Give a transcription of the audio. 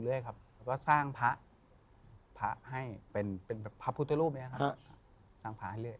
แล้วก็สร้างพระให้เป็นพระพุทธรูป